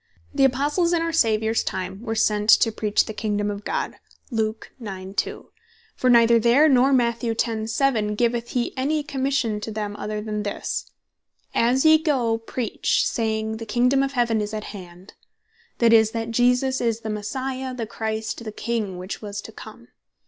The Apostles in our Saviours time were sent, Luke 9.2. to Preach the Kingdome of God: For neither there, nor Mat. 10.7. giveth he any Commission to them, other than this, "As ye go, Preach, saying, the Kingdome of Heaven is at hand;" that is, that Jesus is the Messiah, the Christ, the King which was to come.